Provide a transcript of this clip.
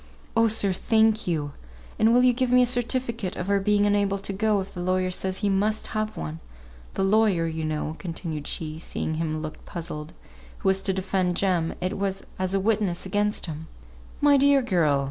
"Oh, sir, thank you! And will you give me a certificate of her being unable to go, if the lawyer says we must have one? The lawyer, you know," continued she, seeing him look puzzled, "who is to defend Jem, it was as a witness against him " "My dear girl!"